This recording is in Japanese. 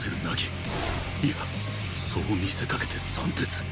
いやそう見せかけて斬鉄